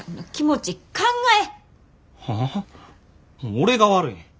俺が悪いん。